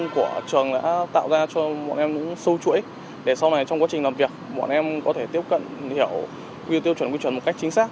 của trường đã tạo ra cho bọn em những sâu chuỗi để sau này trong quá trình làm việc bọn em có thể tiếp cận hiểu quy tiêu chuẩn quy chuẩn một cách chính xác